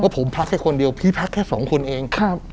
ผมพักแค่คนเดียวพี่พักแค่สองคนเอง